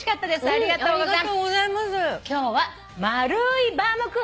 ありがとうございます。